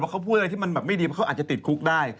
ถ้าเขาพูดอะไรไม่ดีเขาอาจติดคุกได้